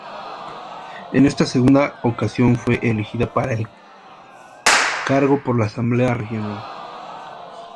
En esta segunda ocasión fue elegida para el cargo por la Asamblea Regional.